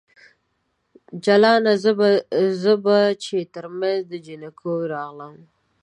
جلانه ! زه به چې ترمنځ د جنکیو راغلم